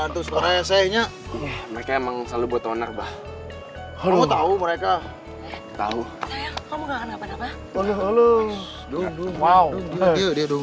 itu suaranya sayangnya mereka emang selalu buat owner bahwa tahu mereka tahu kamu enggak